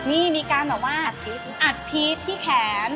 นี่มีการแบบว่าอัดพีชที่แขน